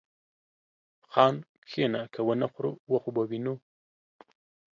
خان! کښينه که ونه خورو و خو به وينو.